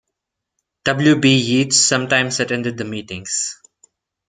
W. B. Yeats sometimes attended the meetings.